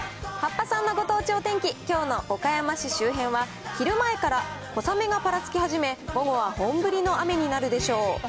はっぱさんのご当地お天気、きょうの岡山市周辺は昼前から小雨がぱらつき始め、午後は本降りの雨になるでしょう。